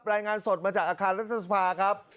รายงานสดมาจากอาคารรัฐสภาครับ